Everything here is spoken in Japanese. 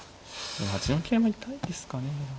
８四桂も痛いですかね。